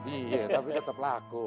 iya tapi tetep laku